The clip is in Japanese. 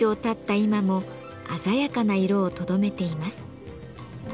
今も鮮やかな色をとどめています。